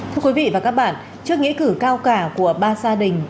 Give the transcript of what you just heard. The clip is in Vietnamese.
thưa quý vị và các bạn trước nghĩa cử cao cả của ba gia đình